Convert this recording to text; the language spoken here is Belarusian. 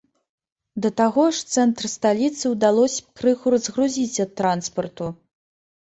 Да таго ж цэнтр сталіцы ўдалося б крыху разгрузіць ад транспарту.